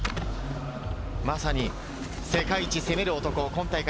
まさに世界一攻める男、今大会